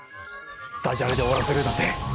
ダジャレで終わらせるなんて。